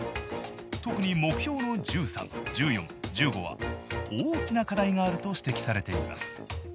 特に目標の１３１４１５は大きな課題があると指摘されています。